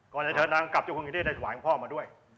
ก่อนเดินทางกลับเจ้าคุณแคนดี้ได้สวายของพ่อมาด้วย